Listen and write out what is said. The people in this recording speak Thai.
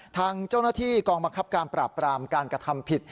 ทางเจ้าหน้าที่กองบังคับการปราบปรามการกระทำผิด